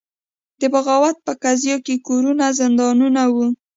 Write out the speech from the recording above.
د بغاوت په قضیو کې کورونه زندانونه وو.